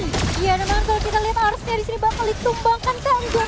iya namun kalau kita lihat ars nya disini bakal ditumbangkan tanggung